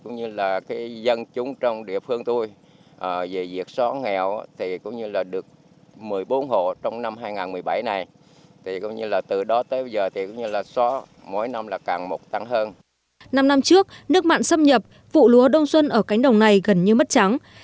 năm năm trước nước mặn xâm nhập vụ lúa đông xuân ở cánh đồng này gần như mất trắng